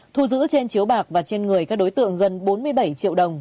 thu giữ trên chiếu bạc và trên người các đối tượng gần bốn mươi bảy triệu đồng